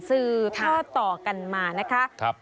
ซึ่งเฮาะต่อกันมานะครับ